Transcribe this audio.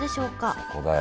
そこだよ